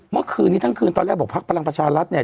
เมื่อคืนนี้ทั้งคืนตอนแรกบอกพักพลังประชารัฐเนี่ย